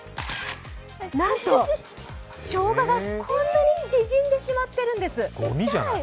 なんとしょうがが、こんなに縮んでしまっているんです。